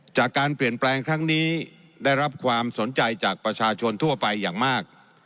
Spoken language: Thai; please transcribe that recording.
จากการเปลี่ยนแปลงครั้งนี้ได้รับความสนใจจากประชาชนทั่วไปอย่างมาก